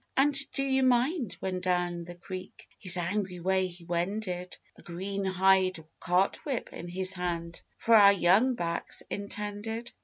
And do you mind when down the creek His angry way he wended, A green hide cartwhip in his hand For our young backs intended?